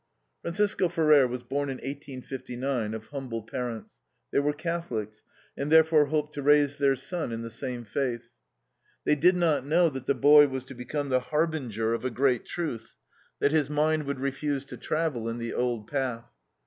Francisco Ferrer was born in 1859, of humble parents. They were Catholics, and therefore hoped to raise their son in the same faith. They did not know that the boy was to become the harbinger of a great truth, that his mind would refuse to travel in the old path.